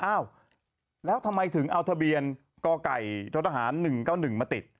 เอ้าแล้วทำไมถึงเอาทะเบียนกกทศ๑๙๐๑มาติด